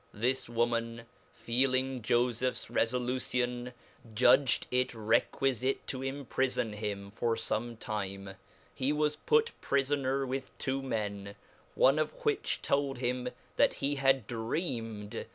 This woman kang Jofephs refoluticn, judged it requifite to imprilon him for feme time ; he was put prifoner with tw^o men, one of which told him that he had dreamed th?.